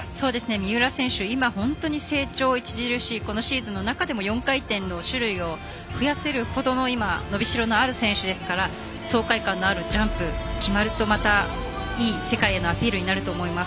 三浦選手、今本当に成長著しいこのシーズンでも４回転の種類を増やせるほどの伸びしろのある選手ですから爽快感のあるジャンプが決まるとまた、いい世界へのアピールになると思います。